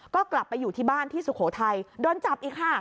ก็กลับไปอยู่ที่บ้านที่สุโขทัยโดนจับอีกค่ะ